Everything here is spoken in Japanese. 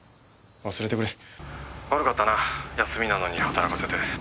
「悪かったな休みなのに働かせて」